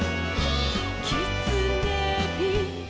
「きつねび」「」